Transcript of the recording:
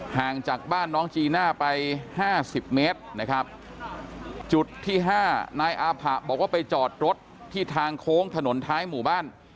ห่างจากบ้านน้องจีน่าไปห้าสิบเมตรนะครับจุดที่ห้านายอาผะบอกว่าไปจอดรถที่ทางโค้งถนนท้ายหมู่บ้าน